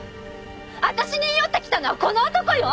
私に言い寄ってきたのはこの男よ！